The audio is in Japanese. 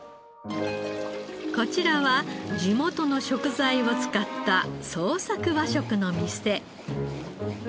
こちらは地元の食材を使った創作和食の店。